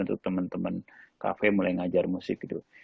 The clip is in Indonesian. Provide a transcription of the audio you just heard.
untuk teman teman kafe mulai ngajar musik gitu